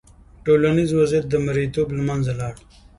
ټولنیز وضعیت د مریتوب له منځه لاړ.